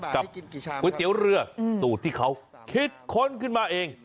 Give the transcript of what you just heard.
ก๋วยเตี๋ยวเรือสูตรที่เขาคิดค้นขึ้นมาเอง